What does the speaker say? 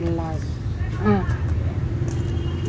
cái này là